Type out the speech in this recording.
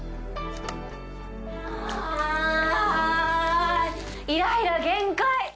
あぁイライラ限界！